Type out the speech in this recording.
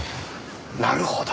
なるほど。